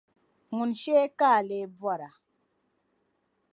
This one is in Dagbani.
ŋun shee ka a lee bɔra?